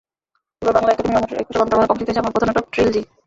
এবার বাংলা একাডেমির অমর একুশে গ্রন্থমেলায় প্রকাশিত হয়েছে আমার পথনাটক ট্রিলজি।